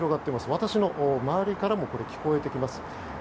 私の周りからも聞こえてきます。